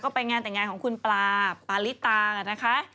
ไปงานแต่งงานของคุณปลาปาลิตานะคะ